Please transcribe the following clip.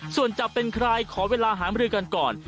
ส่วนจะเป็นใครขอเวลาหามรือกันก่อน